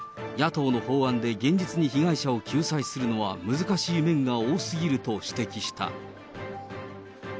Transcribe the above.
また、野党の法案で現実に被害者を救済するのは難しい面が多すぎると指摘した。